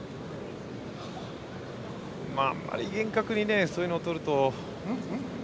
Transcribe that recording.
あまり厳格にそういうのを取ると。